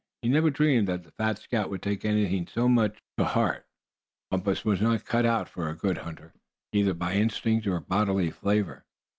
He had never dreamed that the fat scout would take anything so much to heart. Bumpus was not cut out for a good hunter, either by instinct or bodily favor.